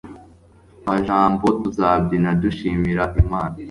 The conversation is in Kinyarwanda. kwa jambo. tuzabyina dushimira imana